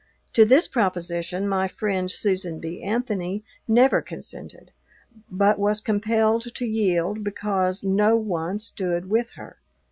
To this proposition my friend, Susan B. Anthony, never consented, but was compelled to yield because no one stood with her.